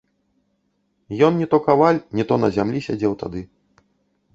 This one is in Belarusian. Ён ні то каваль, ні то на зямлі сядзеў тады.